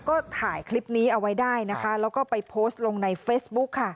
ก็ถ่ายคลิปนี้เอาไว้ได้นะคะแล้วก็ไปโพสต์ลงในเฟซบุ๊คค่ะ